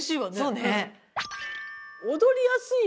そうね。